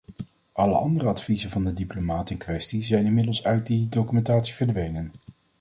Alle andere adviezen van de diplomaat in kwestie zijn inmiddels uit die documentatie verdwenen.